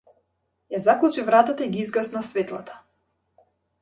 Ја заклучи вратата и ги изгасна светлата.